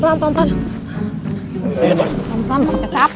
pelan pelan pak kecap